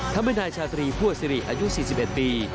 ทำให้นายชาตรีพั่วสิริอายุ๔๑ปี